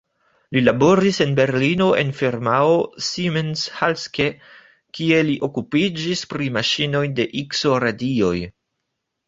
Li laboris en Berlino en firmao "Siemens–Halske", kie li okupiĝis pri maŝinoj de ikso-radioj.